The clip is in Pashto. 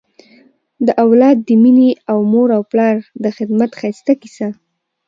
د اولاد د مینې او مور و پلار د خدمت ښایسته کیسه